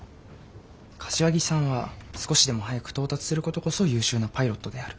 柏木さんは少しでも早く到達することこそ優秀なパイロットである。